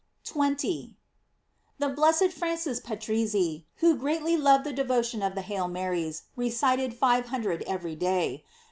f 20. — The blessed Francis Patrizii, who greatly loved the devotion of the "Hail Marys," recited five hundred every day.